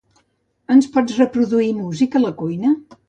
Ens pots reproduir música a la cuina?